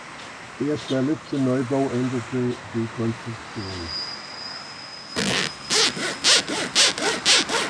Erst der letzte Neubau änderte die Konstruktion.